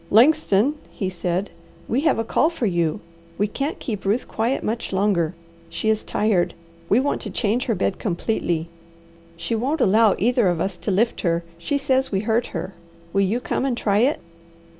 "Langston," he said, "we have a call for you. We can't keep Ruth quiet much longer. She is tired. We want to change her bed completely. She won't allow either of us to lift her. She says we hurt her. Will you come and try it?"